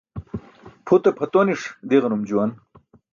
Pʰute pʰatoniṣ diġanum juwan.